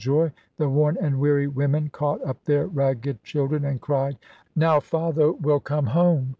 joy ; the worn and weary women canght up their ragged children and cried, " Now father will come home."